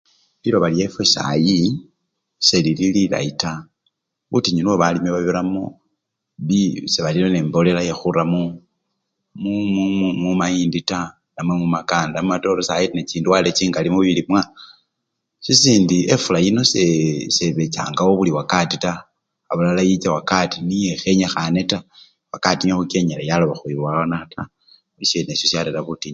Liloba lyefwe sayi selili lilayi taa, butinyu nibwo balimi babiramo, sebali nende emboleya niyo bara mumumu mumayindi taa namwe mumakanda namwe mumayindi sayi nechindwale chingali mubilimwa sisindi efula yino sebechangawo buli wakati taa, abulala yicha wakati niye ekhenyikhane taa, wakati niyo khukyenyela waloba khubonekha taa, isyene esyo syarera butinyu.